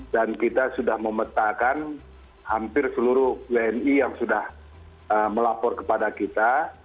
dan kita sudah memetakan hampir seluruh wni yang sudah melapor kepada kita